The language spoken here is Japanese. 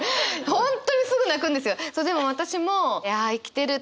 本当にすぐ泣くんですよ。